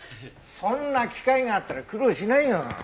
そんな機械があったら苦労しないよ。